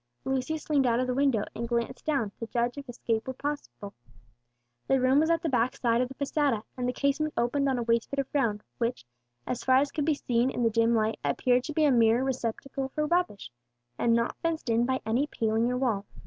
Lucius leaned out of the window and glanced down, to judge if escape were practicable. The room was at the back side of the posada, and the casement opened on a waste bit of ground which, as far as could be seen in the dim light, appeared to be a mere receptacle for rubbish, and not fenced in by any paling or wall.